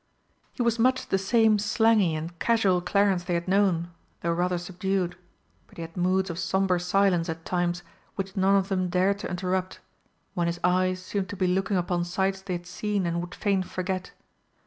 He was much the same slangy and casual Clarence they had known, though rather subdued, but he had moods of sombre silence at times which none of them dared to interrupt, when his eyes seemed to be looking upon sights they had seen and would fain forget.